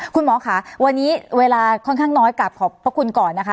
คุณหมอค่ะวันนี้เวลาค่อนข้างน้อยกลับขอบพระคุณก่อนนะคะ